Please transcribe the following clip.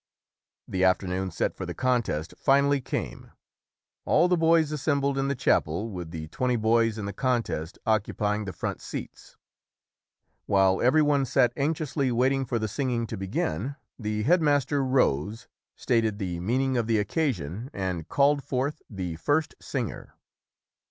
The afternoon set for the contest finally came. All the boys assembled in the chapel, with the twenty boys in the contest occupying the front seats. While every one sat anxiously waiting for the singing to begin, the headmaster rose, stated the meaning of the occasion and called forth the first singer.